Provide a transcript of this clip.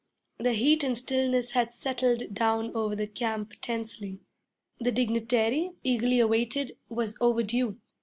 The heat and stillness had settled down over the camp tensely. The dignitary, eagerly awaited, was overdue.